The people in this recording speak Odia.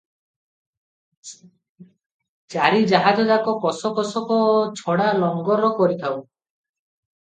ଚାରି ଜାହାଜଯାକ କୋଶକୋଶକ ଛଡା ଲଙ୍ଗର କରିଥାଉଁ ।